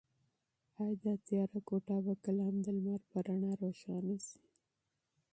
ایا دا تیاره کوټه به کله هم د لمر په رڼا روښانه شي؟